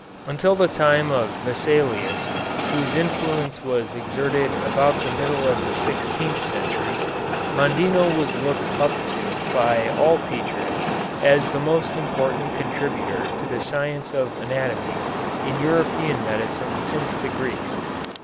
Until the time of Vesalius, whose influence was exerted about the middle of the sixteenth century, Mondino was looked up to by all teachers as the most important contributor to the science of anatomy in European medicine since the Greeks.